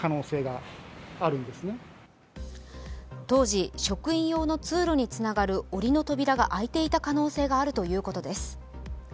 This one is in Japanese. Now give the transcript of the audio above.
当時、職員用の通路につながるおりの扉が開いていた可能性があるということです。